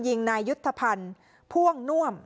นายยุทธพันธ์พ่วงน่วม